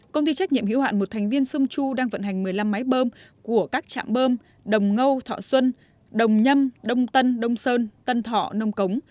công ty trách nhiệm hữu hạn một thành viên sông chu đang vận hành một mươi năm máy bơm của các trạm bơm đồng ngô thọ xuân đồng nhâm đông tân đông sơn tân thọ nông cống